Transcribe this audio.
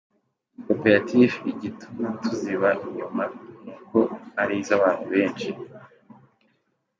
Koperative igituma tuziba inyuma ni uko ari iz’abantu benshi.